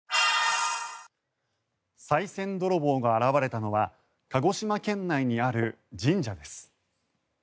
さい銭泥棒が現れたのは鹿児島県内にある神社です。